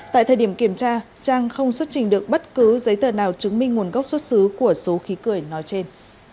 tại thời điểm kiểm tra trang không xuất trình được bất cứ giấy tờ nào chứng minh nguồn gốc xuất xứ của số khí cười nói trên